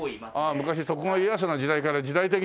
ああ昔徳川家康の時代から時代的にはね。